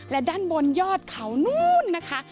และด้านบนยอดเขานู้นนะคะ